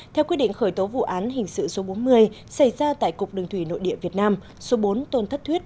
theo quyết định khởi tố vụ án hình sự số bốn mươi xảy ra tại cục đường thủy nội địa việt nam số bốn tôn thất thuyết